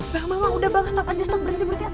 bang bang bang udah bang stop aja stop berhenti berhenti